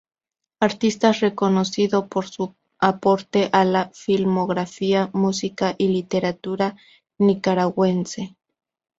Artista reconocido por su aporte a la filmografía, música y literatura nicaragüense.